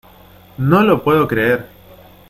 ¡No lo puedo creer!